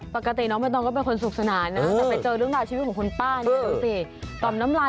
ปกติน้องใบตองก็เป็นคนสุขสนานนะแต่ไปเจอเรื่องราวชีวิตของคุณป้าเนี่ยดูสิต่อมน้ำลาย